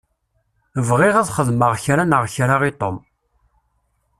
Bɣiɣ ad xedmeɣ kra neɣ kra i Tom.